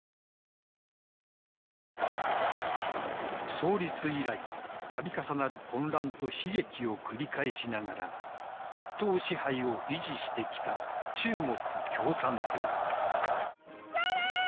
創立以来度重なる混乱と悲劇を繰り返しながら一党支配を維持してきた中国共産党。